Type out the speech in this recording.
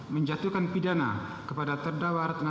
menjatuhkan pidana kepada terdakwa ratna